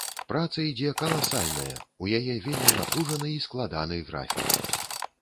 Праца ідзе каласальная, у яе вельмі напружаны і складаны графік.